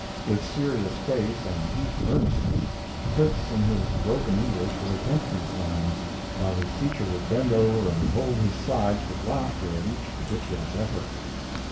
With serious face and deep earnestness Fritz in his broken English would attempt these lines, while his teacher would bend over and hold his sides with laughter at each ridiculous effort.